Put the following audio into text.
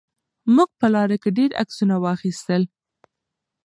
موږ په لاره کې ډېر عکسونه واخیستل.